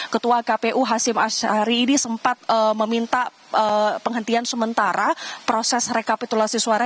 ketua kpu hashim ashari ini sempat meminta penghentian sementara proses rekapitulasi suara